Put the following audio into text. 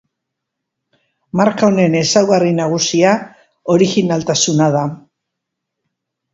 Marka honen ezaugarri nagusia originaltasuna da.